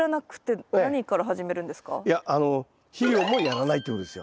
いや肥料もやらないってことですよ。